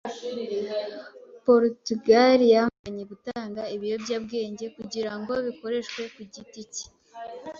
Porutugali yamaganye gutunga ibiyobyabwenge kugira ngo bikoreshwe ku giti cye.